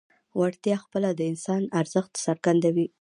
وړتیا خپله د انسان ارزښت څرګندوي.